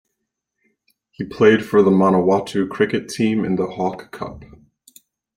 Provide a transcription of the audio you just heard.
He played for the Manawatu cricket team in the Hawke Cup.